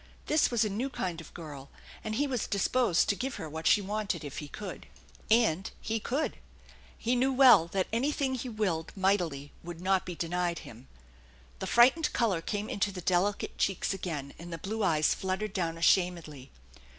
This was a new kind of girl, and he was disposed to give her what she wanted if he could. And he could. He knew well that any thing he willed mightily would not be denied him. 82 THE ENCHANTED BAKiN The frightened color came into the delicate cheeks again, and the blue eyes fluttered down ashamedly.